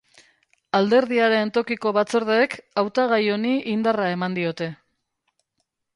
Alderdiaren tokiko batzordeek hautagai honi indarra eman diote.